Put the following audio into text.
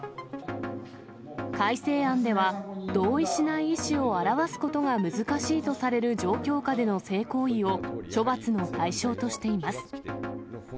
改正案では、同意しない意思を表すことが難しいとされる状況下での性行為を処罰の対象としています。